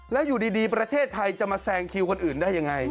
แล้วอยู่ดีประเทศไทยจะมาแซงคิวคนอื่นได้ยังไง